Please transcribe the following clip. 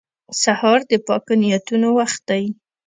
سهار د پاکو نیتونو وخت دی.